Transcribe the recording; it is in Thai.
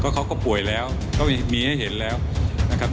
เขาก็ป่วยแล้วก็มีให้เห็นแล้วนะครับ